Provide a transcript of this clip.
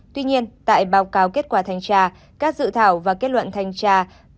tuy nhiên tại báo cáo kết quả thanh tra các dự thảo và kết luận thanh tra ba nghìn chín trăm năm mươi chín